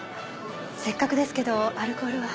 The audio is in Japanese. せっかくですけどアルコールは。